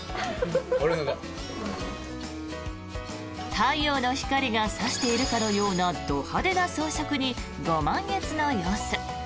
太陽の光が差しているかのようなど派手な装飾にご満悦の様子。